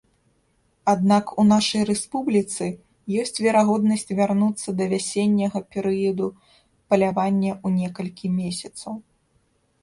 Аднак у нашай рэспубліцы ёсць верагоднасць вярнуцца да вясенняга перыяду палявання ў некалькі месяцаў.